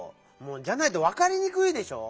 じゃないとわかりにくいでしょう！